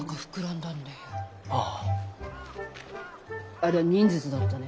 ありゃあ忍術だったね。